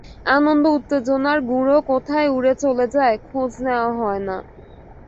আনন্দ উত্তেজনার গুঁড়ো কোথায় উড়ে চলে যায়, খোঁজ নেওয়া হয় না।